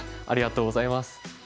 ありがとうございます。